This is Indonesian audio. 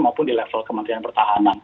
maupun di level kementerian pertahanan